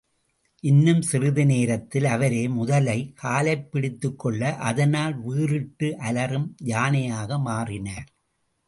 இன்னும் சிறிது நேரத்தில் அவரே, முதலை காலைப் பிடித்துக் கொள்ள அதனால் வீறிட்டு அலறும் யானையாக மாறினார்.